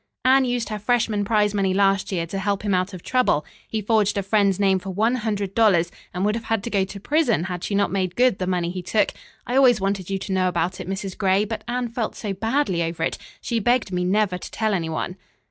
"Anne used her freshman prize money last year to help him out of trouble. He forged a friend's name for one hundred dollars, and would have had to go to prison had she not made good the money he took, I always wanted you to know about it, Mrs. Gray, but Anne felt so badly over it, she begged me never to tell any one."